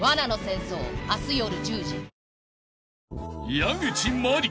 ［矢口真里